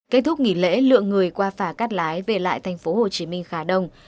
kết thúc nghỉ lễ lượng người qua phà cắt lái về lại thành phố hồ chí minh khá đông